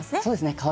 そうですね